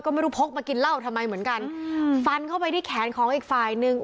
ก็ไม่รู้พกมากินเหล้าทำไมเหมือนกันอืมฟันเข้าไปที่แขนของอีกฝ่ายหนึ่ง